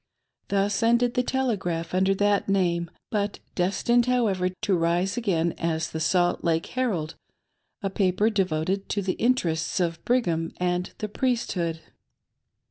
Thus ended the Telegraph under that name, but des tined, however, to rise again as the Salt Lake Herald ^z paper devoted to the interests of Brigham and the Priesthood.